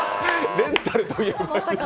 レンタルといえば？